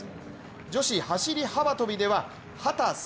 女子走り幅跳びでは秦澄